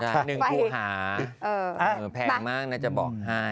หนึ่งภูหาแพงมากนะจะบอกให้